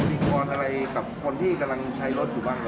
พรอะไรกับคนที่กำลังใช้รถอยู่บ้าง